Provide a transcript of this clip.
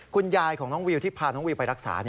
คุณยายของน้องวิวที่พาน้องวิวไปรักษา